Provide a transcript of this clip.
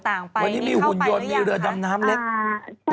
วันนี้มีหุ่นยนต์มีเรือดำน้ำเล็ก